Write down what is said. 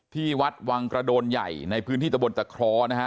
ที่วัดวังกระโดนใหญ่ในพื้นที่ตะบนตะคร้อนะฮะ